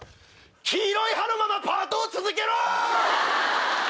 黄色い歯のままパートを続けろ！